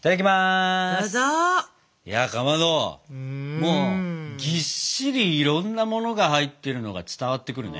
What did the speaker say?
もうぎっしりいろんなものが入ってるのが伝わってくるね。